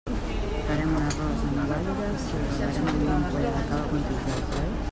Farem un arròs amb guatlles i ho regarem amb una ampolla de cava Contijoch, oi?